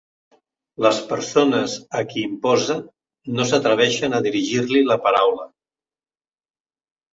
Les persones a qui imposa no s'atreveixen a dirigir-li la paraula.